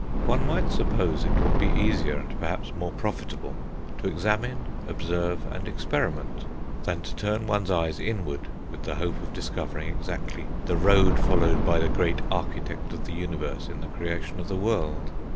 One might suppose it would be easier, and perhaps more profitable, to examine, observe, and experiment, than to turn one's eyes inwards with the hope of discovering exactly "the road followed by the Great Architect of the Universe in the creation of the world."